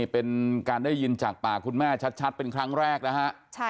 เป็นการได้ยินจากปากคุณแม่ชัดเป็นครั้งแรกนะฮะ